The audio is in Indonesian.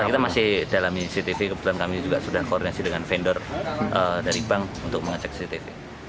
kita masih dalami cctv kebetulan kami juga sudah koordinasi dengan vendor dari bank untuk mengecek cctv